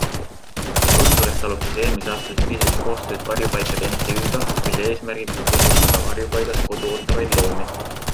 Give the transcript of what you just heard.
Õhtuleht alustas eelmise aasta sügisest koostööd Varjupaikade MTÜga, mille eesmärgiks on tutvustada varjupaigas kodu ootavaid loomi.